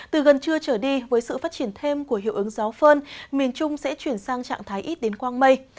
từ gần trưa trở đi với sự phát triển thêm của hiệu ứng gió phơn miền trung sẽ chuyển sang trạng thái ít đến quang mây